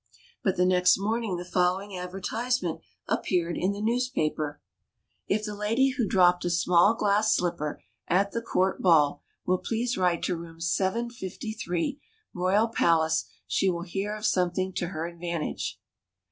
But the next morning the following advertisement ap peared in the newspapers :" If the lady who dropped a small glass slipper at the court ball will please write to Room 753, Royal Palace, she will hear of something to her advantage."